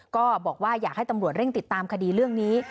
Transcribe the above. ก็บอกว่าอยากให้ตำรวจเร่งติดตามคดีเรื่องนี้